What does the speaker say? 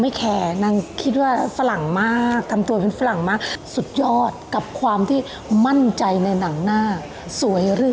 อ่ะเขาก็ชมอกเอลสะโพกอะไรสวย